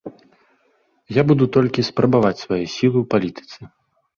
Я буду толькі спрабаваць свае сілы ў палітыцы.